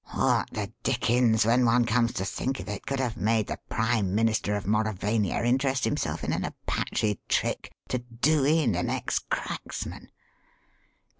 What the dickens, when one comes to think of it, could have made the Prime Minister of Mauravania interest himself in an Apache trick to 'do in' an ex cracksman?